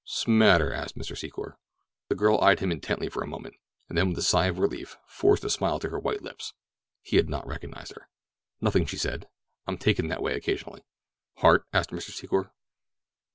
"'Smatter?" asked Mr. Secor. The girl eyed him intently for a moment, and then with a sigh of relief forced a smile to her white lips. He had not recognized her. "Nothing," she said. "I'm taken that way occasionally." "Heart?" asked Mr. Secor.